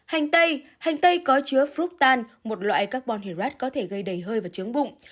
hành tây hành tây có chứa fructan một loại carbon herat có thể gây đầy hơi và trướng bụng